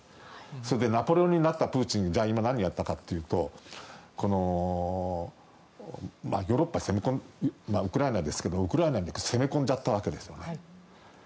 それでナポレオンになったプーチンは何をやったかというとヨーロッパに攻め込むウクライナですけどウクライナに攻め込んじゃったわけですね。